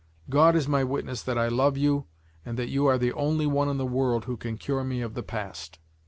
God is my witness that I love you and that you are the only one in the world who can cure me of the past.